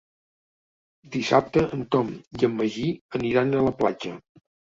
Dissabte en Tom i en Magí aniran a la platja.